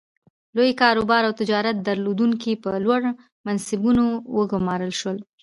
لوی کاروبار او تجارت درلودونکي په لوړو منصبونو وګومارل شول.